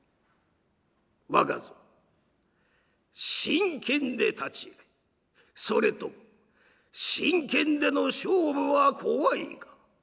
「若造真剣で立ちそれとも真剣での勝負は怖いか？